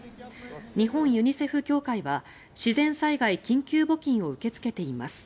日本ユニセフ協会は自然災害緊急募金を受け付けています。